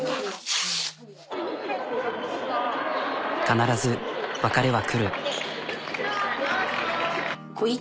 必ず別れは来る。